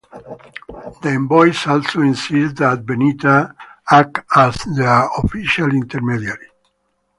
The envoys also insist that Benita act as their official intermediary.